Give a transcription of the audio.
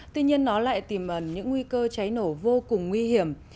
tuy nhiên nó lại tiềm ẩn những nguy cơ cháy nổ vô cùng nguy hiểm